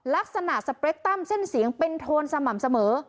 ลักษณะสเปรคตั้มเส้นเสียงเป็นโทนสม่ำเสมอ